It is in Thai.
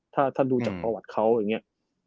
ถ้าดูจากประวัติเขาอย่างนี้